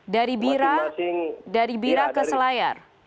dari bira ke selayar